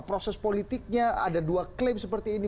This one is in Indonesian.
proses politiknya ada dua klaim seperti ini